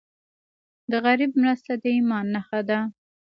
د غریب مرسته د ایمان نښه ده.